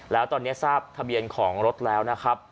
แล้วตอนนี้ทราบทะเบียนของรถแล้วนะครับ